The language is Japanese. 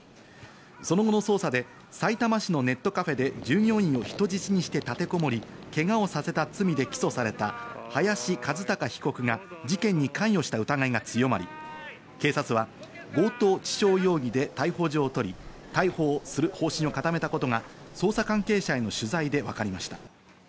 その後の捜査で、さいたま市のネットカフェで従業員を人質にして立てこもり、けがをさせた罪で起訴された林一貴被告が事件に関与した疑いが強まり、警察は強盗致傷容疑で逮捕状を取り、逮捕する方針を固めたことが捜査関係者への取材で分かりました。